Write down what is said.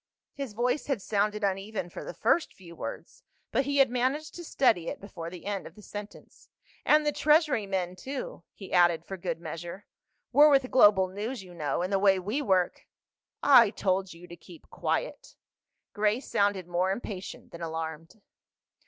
His voice had sounded uneven for the first few words, but he had managed to steady it before the end of the sentence. "And the Treasury men too?" he added for good measure. "We're with Global News, you know, and the way we work—" "I told you to keep quiet." Grace sounded more impatient than alarmed.